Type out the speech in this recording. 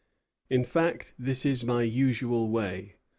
In fact, this is my usual way.